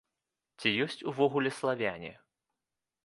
Ці ёсць увогуле славяне?